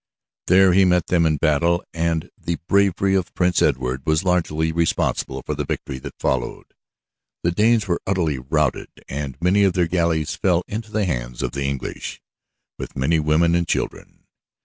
There he met them in battle and the bravery of Prince Edward was largely responsible for the victory that followed. The Danes were utterly routed and many of their galleys fell into the hands of the English, with many women and children.